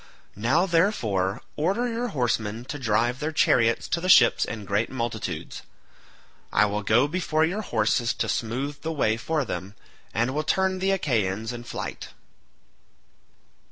Now, therefore, order your horsemen to drive their chariots to the ships in great multitudes. I will go before your horses to smooth the way for them, and will turn the Achaeans in flight."